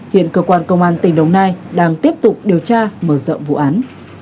hiện cơ quan công an tỉnh đồng nai đang tiếp tục điều tra mở rộng vụ án